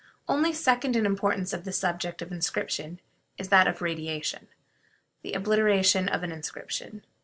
Only second in importance to the subject of inscription is that of "radiation," the obliteration of an inscription.